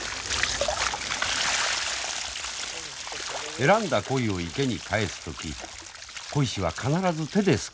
選んだ鯉を池に返す時鯉師は必ず手ですくって放します。